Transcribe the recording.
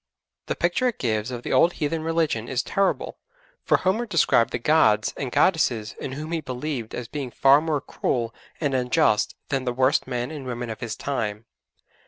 The picture it gives of the old heathen religion is terrible, for Homer described the 'gods' and 'goddesses' in whom he believed as being far more cruel and unjust than the worst men and women of his time.